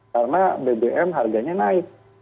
karena bbm harganya naik